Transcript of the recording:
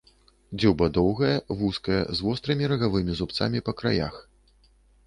Дзюба доўгая, вузкая, з вострымі рагавымі зубцамі па краях.